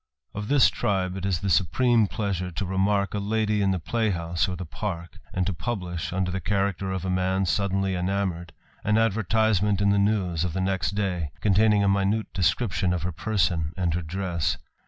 Of this tribe it is the supreme pleasure to remark a lady in the playhouse or the park, and to publish, under the character of a man suddenly enamoured, an advertisement in the news of the next day, containing a minute description of her person and her dress.